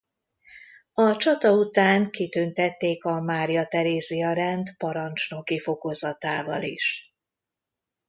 A csata után kitüntették a Mária Terézia-rend parancsnoki fokozatával is.